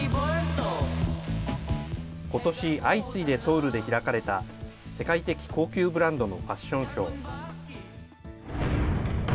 ことし、相次いでソウルで開かれた、世界的高級ブランドのファッションショー。